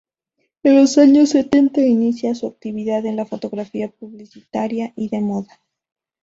En los años setenta inicia su actividad en la fotografía publicitaria y de moda.